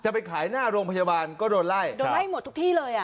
ไปขายหน้าโรงพยาบาลก็โดนไล่โดนไล่หมดทุกที่เลยอ่ะ